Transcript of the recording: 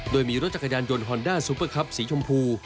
โดยมีรถจักรยานยนต์ฮอนด้าซูเปอร์คับสีชมพู